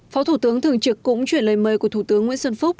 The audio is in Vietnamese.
phó thủ tướng thường trực cũng chuyển lời mời của thủ tướng nguyễn xuân phúc